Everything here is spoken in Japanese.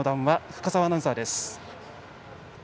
深澤アナウンサーです。